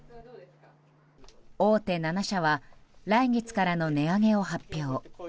大手７社は来月からの値上げを発表。